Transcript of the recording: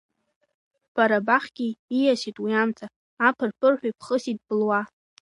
Бара бахьгьы ииасит уи амца, аԥырԥырҳәа ибхысит ббылуа.